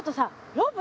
ロープ